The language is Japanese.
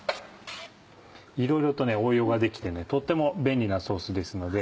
いろいろと応用ができてとっても便利なソースですので。